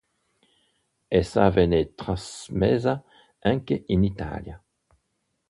Essa venne trasmessa anche in Italia.